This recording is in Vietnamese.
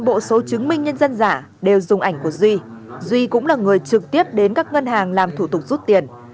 bộ số chứng minh nhân dân giả đều dùng ảnh của duy duy cũng là người trực tiếp đến các ngân hàng làm thủ tục rút tiền